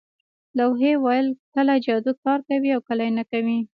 لوحې ویل کله جادو کار کوي او کله نه کوي